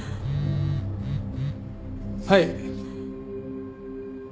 はい。